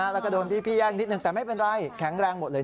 แล้วก็โดนพี่แย่งนิดนึงแต่ไม่เป็นไรแข็งแรงหมดเลย